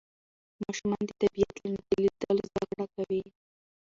ماشومان د طبیعت له نږدې لیدلو زده کړه کوي